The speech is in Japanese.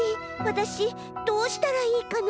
わたしどうしたらいいかな？